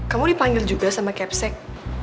kamu dipanggil juga sama kepsec